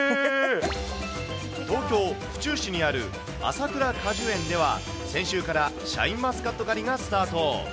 東京・府中市にある朝倉果樹園では、先週からシャインマスカット狩りがスタート。